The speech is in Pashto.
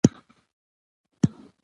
تر څو چې خلک ورته متوجع شي.